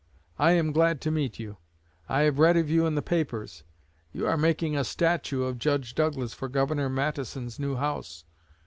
I am glad to meet you. I have read of you in the papers. You are making a statue of Judge Douglas for Governor Matteson's new house.'